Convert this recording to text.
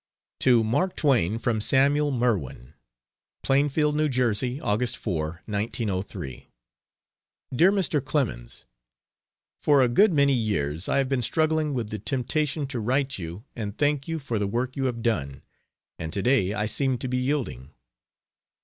To Mark Twain, from Samuel Merwin: PLAINFIELD, N. J. August 4, 1903. DEAR MR. CLEMENS, For a good many years I have been struggling with the temptation to write you and thank you for the work you have done; and to day I seem to be yielding.